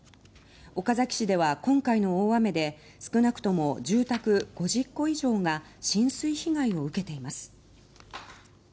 岡崎市では今回の大雨で少なくとも住宅５０戸以上が浸水被害を受けています。